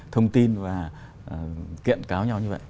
thông tin và kiện cáo nhau như vậy